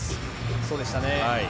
そうでしたね。